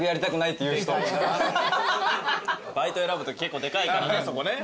バイト選ぶとき結構でかいからねそこね。